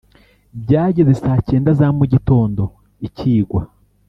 byageze saa cyenda za mu gitondo ikigwa